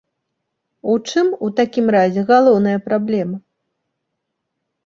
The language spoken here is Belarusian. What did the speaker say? У чым, у такім разе, галоўная праблема?